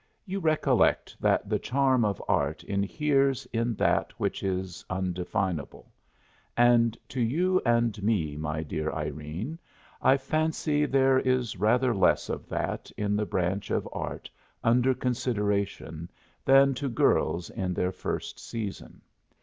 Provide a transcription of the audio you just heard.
You recollect that the charm of art inheres in that which is undefinable, and to you and me, my dear Irene, I fancy there is rather less of that in the branch of art under consideration than to girls in their first season.